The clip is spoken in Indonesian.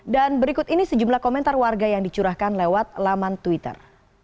dan berikut ini sejumlah komentar warga yang dicurahkan lewat laman twitter